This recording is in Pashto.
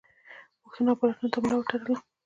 پوښتنو او پلټنو ته ملا وتړله.